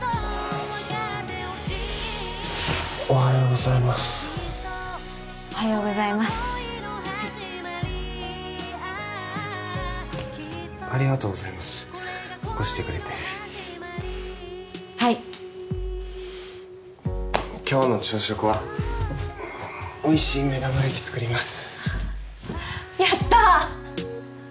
おはようございますおはようございますはいありがとうございます起こしてくれてはい今日の朝食はおいしい目玉焼き作ります